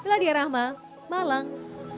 ladi arama malang